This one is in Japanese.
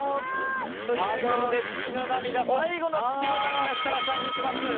ということで、最後の月の涙設楽さんにいきます。